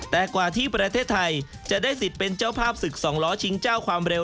แต่กว่าที่ประเทศไทยจะได้สิทธิ์เป็นเจ้าภาพศึกสองล้อชิงเจ้าความเร็ว